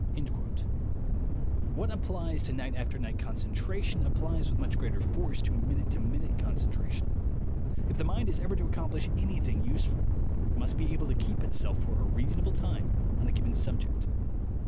.What applies to night after night concentration applies with much greater force to minute to minute concentration. If the mind is ever to accomplish anything useful, it must be able to keep itself for a reasonable time on a given subject.